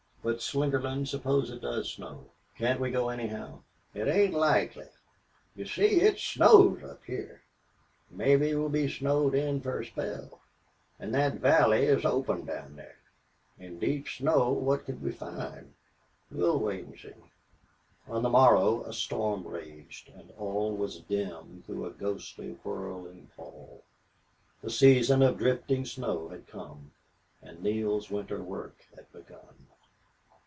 "But, Slingerland, suppose it does snow. Can't we go, anyhow?" "It ain't likely. You see, it snows up hyar. Mebbe we'll be snowed in fer a spell. An' thet valley is open down thar. In deep snow what could we find? We'll wait an' see." On the morrow a storm raged and all was dim through a ghostly, whirling pall. The season of drifting snow had come, and Neale's winter work had begun.